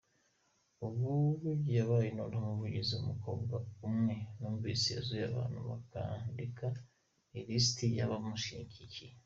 “Ubu yabaye noneho umuvugizi w’umukobwa umwe numvise wazuye abantu bakandika ilisiti y’abamushyigikiye.